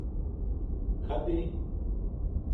کھدی